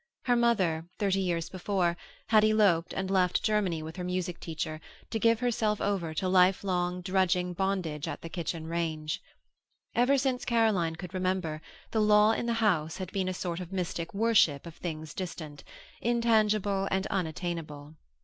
Her mother, thirty years before, had eloped and left Germany with her music teacher, to give herself over to lifelong, drudging bondage at the kitchen range. Ever since Caroline could remember, the law in the house had been a sort of mystic worship of things distant, intangible and unattainable.